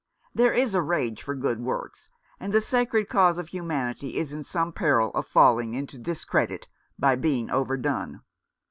There is a rage for good works, and the sacred cause of humanity is in some peril of falling into discredit by being overdone.